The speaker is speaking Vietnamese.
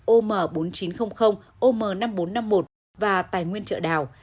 om bốn nghìn chín trăm linh om năm nghìn bốn trăm năm mươi một và tài nguyên trợ đào